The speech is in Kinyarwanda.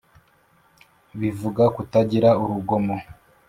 bivuga kutagira urugomo,